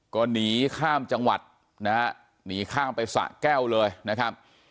ก็หนีข้ามจังหวัดนะฮะหนีข้ามไปสะแก้วเลยนะครับ